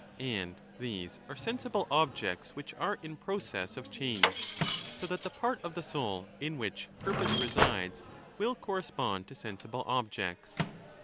And these are sensible objects which are in process of change. So that the part of the soul in which purpose resides will corre spond to sensible objects.